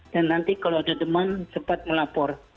dan nanti kalau ada demam sempat melapor